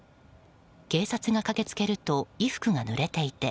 警察が駆けつけると衣服が濡れていて